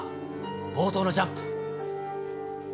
冒頭のジャンプ。